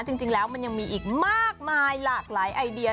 จริงแล้วมันยังมีอีกมากมายหลากหลายไอเดีย